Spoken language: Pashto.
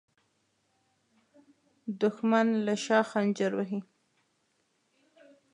دښمن له شا خنجر وهي